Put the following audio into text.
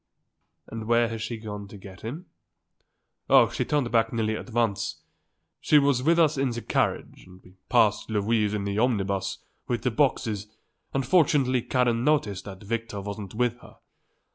"And where has she gone to get him?" "Oh, she turned back nearly at once. She was with us in the carriage and we passed Louise in the omnibus with the boxes and fortunately Karen noticed that Victor wasn't with her.